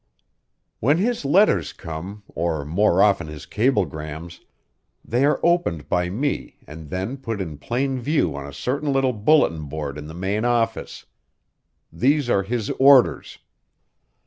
"When his letters come, or more often his cablegrams, they are opened by me and then put in plain view on a certain little bulletin board in the main office. These are his orders.